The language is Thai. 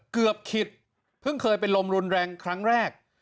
ขิดเพิ่งเคยเป็นลมรุนแรงครั้งแรก